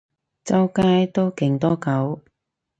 周街都勁多狗